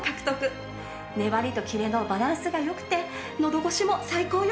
粘りとキレのバランスが良くてのど越しも最高よ！